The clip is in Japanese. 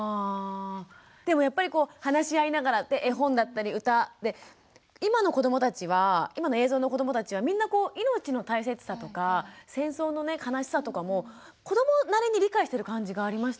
でもやっぱりこう話し合いながら絵本だったり歌今の子どもたちは今の映像の子どもたちはみんなこう命の大切さとか戦争の悲しさとかも子どもなりに理解してる感じがありましたよね。